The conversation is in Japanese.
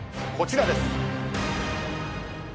こちらです。